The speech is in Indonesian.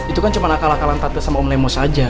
itu kan cuman akal akalan tata sama om lemos aja